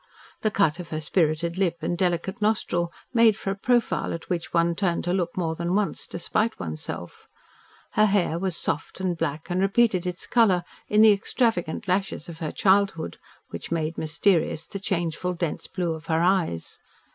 The cut of her spirited lip, and delicate nostril, made for a profile at which one turned to look more than once, despite one's self. Her hair was soft and black and repeated its colour in the extravagant lashes of her childhood, which made mysterious the changeful dense blue of her eyes.